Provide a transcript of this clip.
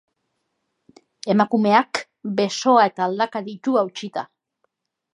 Emakumea besoa eta aldaka ditu hautsita.